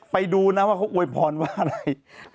ไปดูนะว่าเขาอวยพรว่าอะไร